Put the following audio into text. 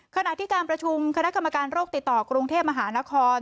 ขณะที่การประชุมคณะกรรมการโรคติดต่อกรุงเทพมหานคร